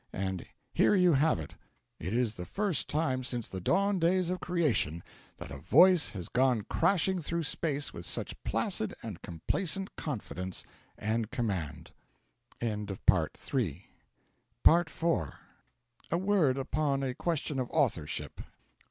and 'Here you have it!' It is the first time since the dawn days of Creation that a Voice has gone crashing through space with such placid and complacent confidence and command. IV A word upon a question of authorship.